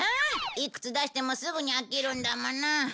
いくつ出してもすぐに飽きるんだもの。